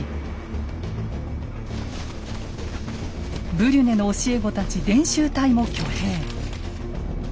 ブリュネの教え子たち伝習隊も挙兵。